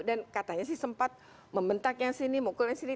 dan katanya sih sempat membentak yang sini mukul yang sini